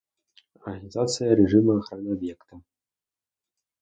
Организация режима охраны объекта